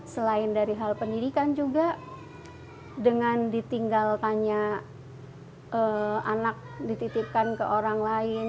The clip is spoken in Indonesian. selain dari hal pendidikan juga dengan ditinggalkannya anak dititipkan ke orang lain